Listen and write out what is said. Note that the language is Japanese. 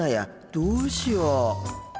どうしよう。